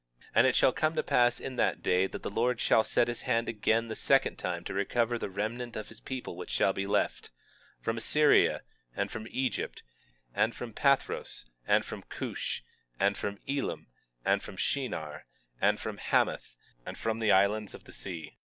21:11 And it shall come to pass in that day that the Lord shall set his hand again the second time to recover the remnant of his people which shall be left, from Assyria, and from Egypt, and from Pathros, and from Cush, and from Elam, and from Shinar, and from Hamath, and from the islands of the sea.